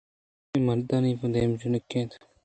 اے مرد آئی ءِ دیم ءَ جُکّ اِت